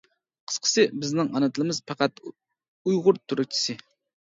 قىسقىسى، بىزنىڭ ئانا تىلىمىز پەقەت ئۇيغۇر تۈركچىسى!